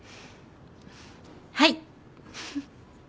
はい。